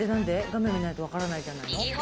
画面見ないと分からないんじゃないの？